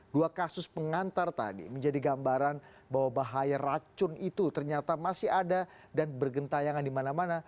dua kasus pengantar tadi menjadi gambaran bahwa bahaya racun itu ternyata masih ada dan bergentayangan di mana mana